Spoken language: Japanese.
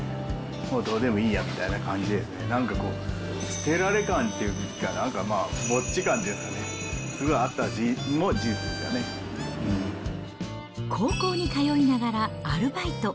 もうどうでもいいやみたいな感じでですね、なんかこう、捨てられ感というか、なんかまあ、ぼっち感っていうかね、すごいあったの高校に通いながらアルバイト。